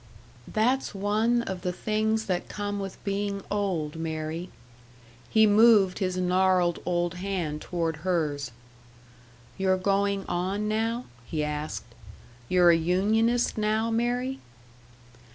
"That's one of the things that come with being old, Mary." He moved his gnarled old hand toward hers. "You're going on, now?" he asked. "You're a unionist now, Mary?"